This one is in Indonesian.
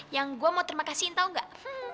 yang gue mau terima kasihin tau gak